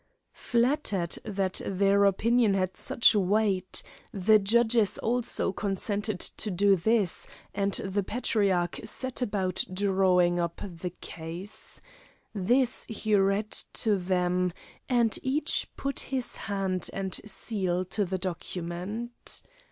Flattered that their opinion had such weight, the judges also consented to do this, and the Patriarch set about drawing up the case. This he read to them, and each put his hand and seal to the document.